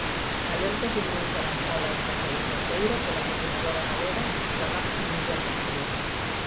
Alerta feminista lanzada esta segunda feira pola Coordinadora Galega da Marcha Mundial das Mulleres.